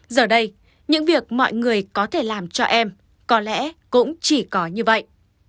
giờ đây những việc mọi người có thể làm cho em có lẽ cũng chỉ có như vậy